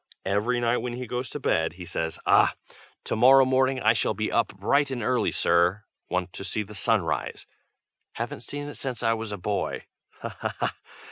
Every night when he goes to bed he says, "Aha! to morrow morning I shall be up bright and early, sir! Want to see the sun rise. Haven't seen it since I was a boy. Ha! ha! ha!"